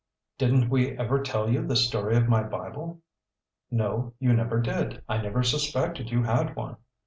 "Didn't we ever tell you the story of my Bible?" "No. You never did. I never suspected you had one."